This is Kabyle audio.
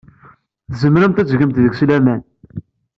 Tzemremt ad tgemt deg-s laman.